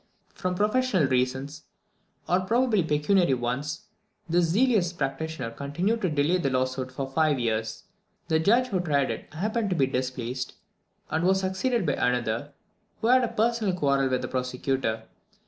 From professional reasons, or probably pecuniary ones, this zealous practitioner continued to delay the lawsuit for five years. The judge who tried it happened to be displaced, and was succeeded by another, who had a personal quarrel with the prosecutor.